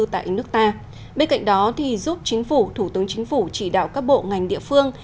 tại nước ta bên cạnh đó giúp chính phủ thủ tướng chính phủ chỉ đạo các bộ ngành địa phương